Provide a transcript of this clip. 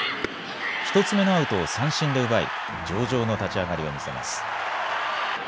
１つ目のアウトを三振で奪い上々の立ち上がりを見せます。